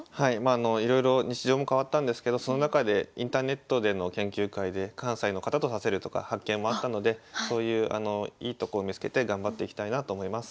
いろいろ日常も変わったんですけどその中でインターネットでの研究会で関西の方と指せるとか発見もあったのでそういういいとこを見つけて頑張っていきたいなと思います。